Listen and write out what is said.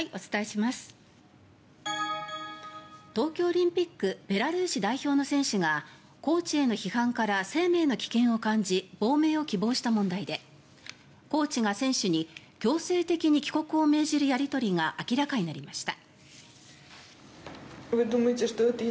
東京オリンピックベラルーシ代表の選手がコーチへの批判から生命の危険を感じ亡命を希望した問題でコーチが選手に強制的に帰国を命じるやり取りが明らかになりました。